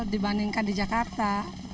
dibandingkan di jakarta